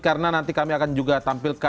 karena nanti kami akan juga tampilkan